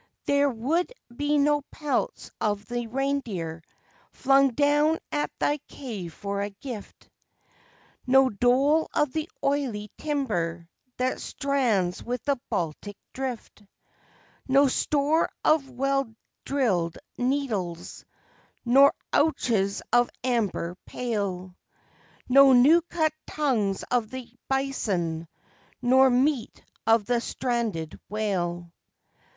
"There would be no pelts of the reindeer, flung down at thy cave for a gift, Nor dole of the oily timber that strands with the Baltic drift; No store of well drilled needles, nor ouches of amber pale; No new cut tongues of the bison, nor meat of the stranded whale.